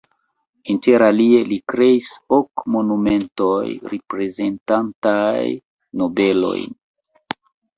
Interalie li kreis ok monumentoj reprezentantaj nobelojn.